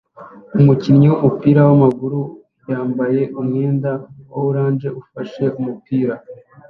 umukinnyi wumupira wamaguru yambaye umwenda wa orange ufashe umupira